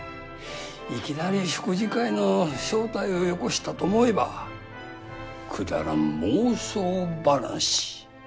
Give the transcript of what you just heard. いきなり食事会の招待をよこしたと思えばくだらん妄想話。